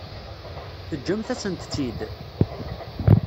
Teǧǧamt-asent-tt-id?